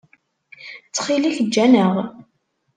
Ttxil-k, eǧǧ-aneɣ.